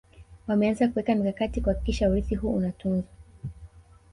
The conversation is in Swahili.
Wameanza kuweka mikakati kuhakikisha urithi huu unatunzwa